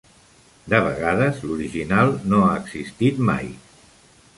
De vegades l'original no ha existit mai.